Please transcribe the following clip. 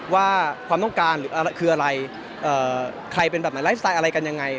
ว่าความต้องการหรืออะไรคืออะไรใครเป็นแบบไหนไลฟ์สไตล์อะไรกันยังไง